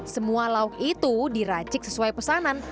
semua lauk itu diracik sesuai pesanan